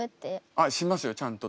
あっしますよちゃんと。